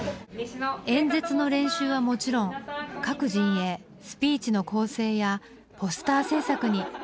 演説の練習はもちろん各陣営スピーチの構成やポスター製作に余念がありません。